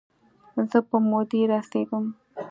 زه په مودې رسیږم